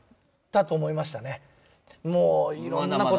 もういろんなことがね。